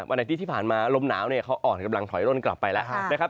อาทิตย์ที่ผ่านมาลมหนาวเนี่ยเขาอ่อนกำลังถอยร่นกลับไปแล้วนะครับ